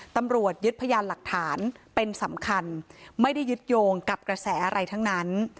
ตำรวจยึดพยานหลักฐานเป็นสำคัญไม่ได้ยึดโยงกับกระแสอะไรทั้งนั้น